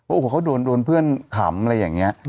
โอ้โหเขาโดนเพื่อนขำอะไรอย่างนี้